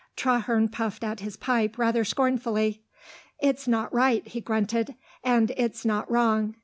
Traherne puffed at his pipe rather scornfully. "It's not right," he grunted, "and it's not wrong.